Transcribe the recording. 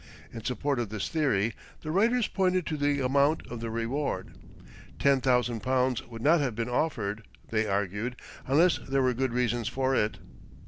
In support of this theory the writers pointed to the amount of the reward. Ten thousand pounds would not have been offered, they argued, unless there were good reasons for it.